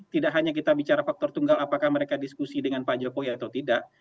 tidak hanya kita bicara faktor tunggal apakah mereka diskusi dengan pak jokowi atau tidak